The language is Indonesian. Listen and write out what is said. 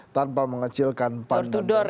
tanpa mengecilkan pandan demokrat